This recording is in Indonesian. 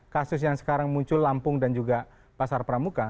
kasus yang sekarang muncul lampung dan juga pasar pramuka